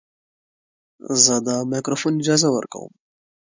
زه د مایکروفون اجازه ورکوم.